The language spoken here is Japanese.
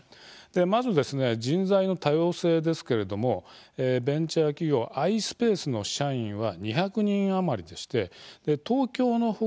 まず、人材の多様性ですけれどもベンチャー企業「ｉｓｐａｃｅ」の社員は２００人余りでして東京の他